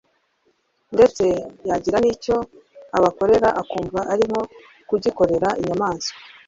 ndetse yagira n’icyo abakorera akumva ari nko kugikorera inyamaswa